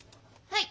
はい。